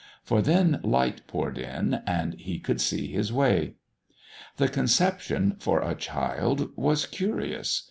For then light poured in and he could see his way. The conception, for a child, was curious.